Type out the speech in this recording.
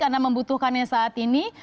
anda membutuhkannya saat ini